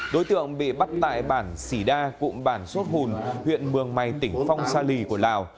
đối tượng bị bắt tại bản sỉ đa cụm bản sốt hùn huyện mường mày tỉnh phong sa lì của lào